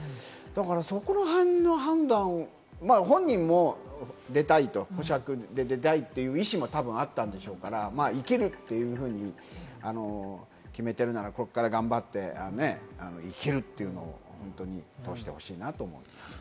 そこら辺の判断、本人も出たい、保釈したい、出たいという意思もあったでしょうから、生きるというふうに決めてるなら、ここから頑張って生きるというのを通してほしいなと思う。